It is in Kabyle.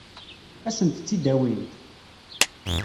Ad sent-tt-id-awint?